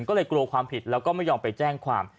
ก็เลยกลัวความผิดแล้วก็ไม่ยอมไปแจ้งความ